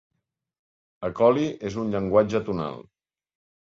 Acoli és un llenguatge tonal.